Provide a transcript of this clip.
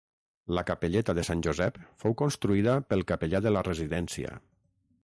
La capelleta de Sant Josep fou construïda pel capellà de la residència.